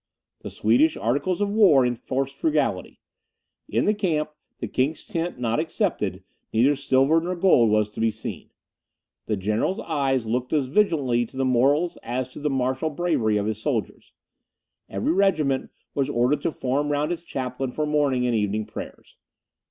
The Swedish articles of war enforced frugality. In the camp, the King's tent not excepted, neither silver nor gold was to be seen. The general's eye looked as vigilantly to the morals as to the martial bravery of his soldiers; every regiment was ordered to form round its chaplain for morning and evening prayers.